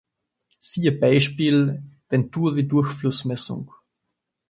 Siehe Beispiel: Venturi-Durchflussmessung.